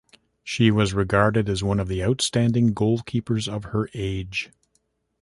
She was regarded as one of the outstanding goalkeepers of her age.